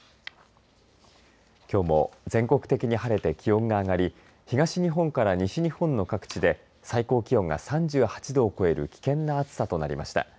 きょうも全国的に晴れて気温が上がり東日本から西日本の各地で最高気温が３８度を超える危険な暑さとなりました。